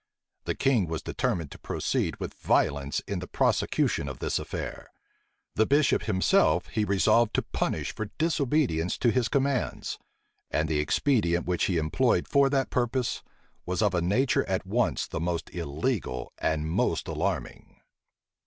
The king was determined to proceed with violence in the prosecution of this affair. The bishop himself he resolved to punish for disobedience to his commands; and the expedient which he employed for that purpose, was of a nature at once the most illegal and most alarming.